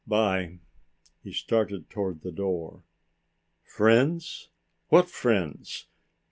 'Bye." He started toward the door. "Friends! What friends?"